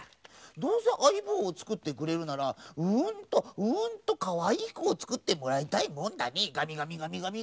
どうせあいぼうをつくってくれるならうんとうんとかわいいこをつくってもらいたいもんだねがみがみがみ。